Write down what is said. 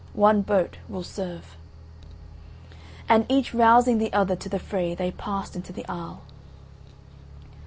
One boat will serve." And each rousing the other to the fray they passed into the isle.